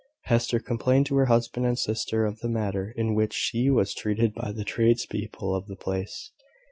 Hester complained to her husband and sister of the manner in which she was treated by the tradespeople of the place.